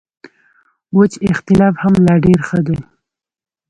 وچ اختلاف هم لا ډېر ښه دی.